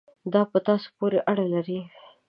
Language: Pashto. دا په تاسو پورې اړه لري.